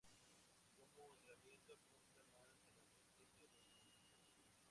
Como entretenimiento, apunta más a la mente que a los sentidos".